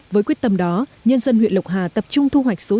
với quyết tâm đó nhân dân huyện lộc hà tập trung thu hoạch số